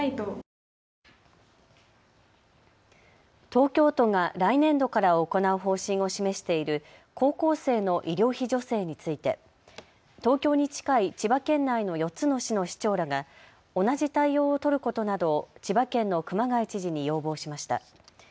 東京都が来年度から行う方針を示している高校生の医療費助成について東京に近い千葉県内の４つの市の市長らが同じ対応を取ることなどを千葉県の熊谷知事に要望しました。